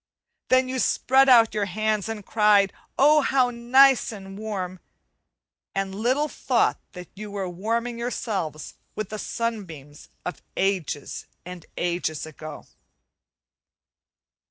Then you spread out your hands and cried, "Oh, how nice and warm!" and little thought that you were warming yourself with the sunbeams of ages and ages ago.